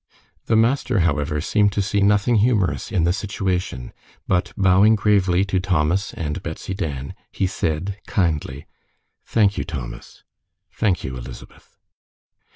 The master, however, seemed to see nothing humorous in the situation, but bowing gravely to Thomas and Betsy Dan, he said, kindly, "Thank you, Thomas! Thank you, Elizabeth!"